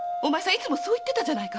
いつもそう言ってたじゃないか。